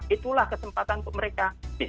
itulah kesempatan untuk mereka